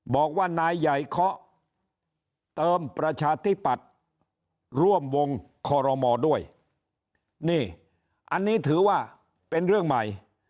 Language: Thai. บอกว่านายใหญ่เคาะเติมประชาธิปัตย์ร่วมวงคอรมอด้วยนี่อันนี้ถือว่าเป็นเรื่องใหม่